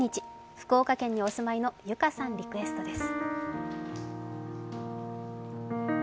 福岡県にお住まいのｙｕｋａさんリクエストです。